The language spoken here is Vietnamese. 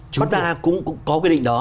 chúng ta cũng có quyết định đó